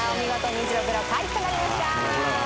ニンチドゼロ回避となりました。